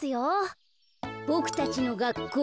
ボクたちのがっこう。